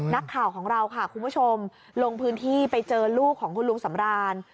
นักข่าวของเราค่ะคุณผู้ชมลงพื้นที่ไปเจอลูกของคุณลุงสำราน